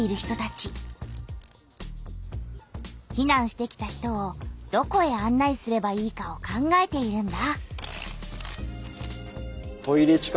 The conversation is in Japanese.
ひなんしてきた人をどこへあん内すればいいかを考えているんだ。